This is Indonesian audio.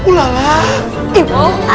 naik rapi ya